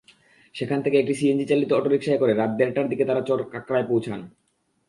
সেখান থেকে একটি সিএনজিচালিত অটোরিকশায় করে রাত দেড়টার দিকে তাঁরা চরকাঁকড়ায় যান।